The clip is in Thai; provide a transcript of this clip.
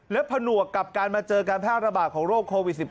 และผนวกกับการมาเจอการแพร่ระบาดของโรคโควิด๑๙